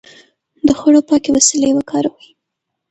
د خوړو پاکې وسيلې وکاروئ.